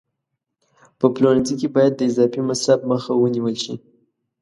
په پلورنځي کې باید د اضافي مصرف مخه ونیول شي.